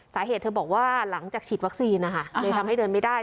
สาเหตุเธอบอกว่าหลังจากฉีดวัคซีนนะคะเลยทำให้เดินไม่ได้